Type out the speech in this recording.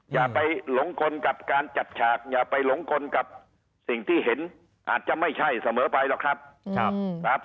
อย่าไปหลงกลกับการจัดฉากอย่าไปหลงกลกับสิ่งที่เห็นอาจจะไม่ใช่เสมอไปหรอกครับ